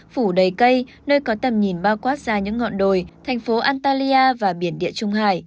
phủ đầy cây nơi có tầm nhìn bao quát ra những ngọn đồi thành phố antalya và biển địa trung hải